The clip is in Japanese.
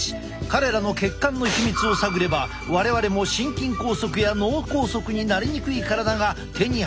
彼らの血管のヒミツを探れば我々も心筋梗塞や脳梗塞になりにくい体が手に入るかもしれない。